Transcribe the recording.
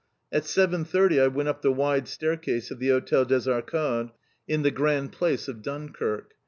At seven thirty I went up the wide staircase of the Hotel des Arcades in the Grand Place of Dunkirk.